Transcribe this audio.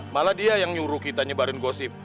malah dia yang nyuruh kita nyebarin gosip